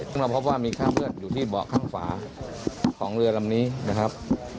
ซึ่งเราพบว่ามีคราบเลือดอยู่ที่เบาะข้างฝาของเรือลำนี้นะครับ